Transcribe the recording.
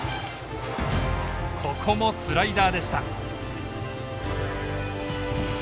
ここもスライダーでした。